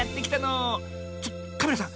ちょカメラさん